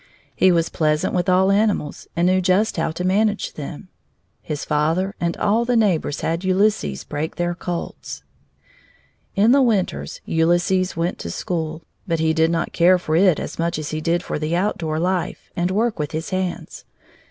He was patient with all animals and knew just how to manage them. His father and all the neighbors had Ulysses break their colts. In the winters Ulysses went to school, but he did not care for it as much as he did for outdoor life and work with his hands.